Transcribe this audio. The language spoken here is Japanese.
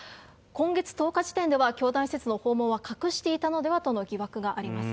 今月１０日時点では教団施設の訪問を隠していたのではとの疑惑があります。